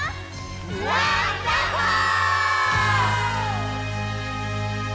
ワンダホー！